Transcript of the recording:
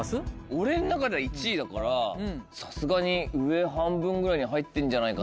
俺の中では１位だからさすがに上半分ぐらいに入ってんじゃないかな。